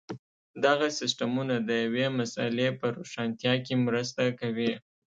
دغه سیسټمونه د یوې مسئلې په روښانتیا کې مرسته کوي.